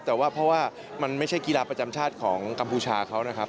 แต่ว่าเพราะว่ามันไม่ใช่กีฬาประจำชาติของกัมพูชาเขานะครับ